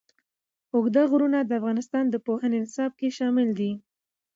اوږده غرونه د افغانستان د پوهنې نصاب کې شامل دي.